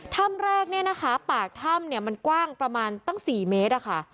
ถ้ำแรกเนี่ยนะคะปากถ้ำเนี่ยมันกว้างประมาณตั้ง๔เมตรอะค่ะ